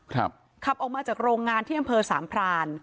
ขับออกมาจากโรงงานที่อำเภอสามพราน